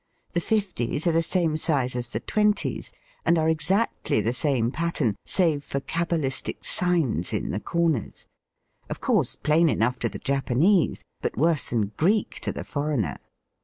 The fifties are the same size as the twenties, and are exactly the same pattern save for cabaHstic signs in the corners — of course plain enough to the Japanese, but worse than Greek to the foreigner.